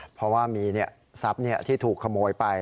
เพราะว่ามีทรัพย์ที่ถูกขโมยไป